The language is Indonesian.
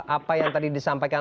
apa yang tadi disampaikan